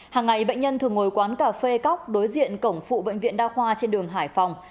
hàng ngày bệnh nhân thường ngồi quán cà phê cóc đối diện cổng phụ bệnh viện đa khoa trên đường hải phòng